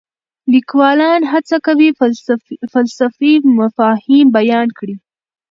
لیکوالان هڅه کوي فلسفي مفاهیم بیان کړي.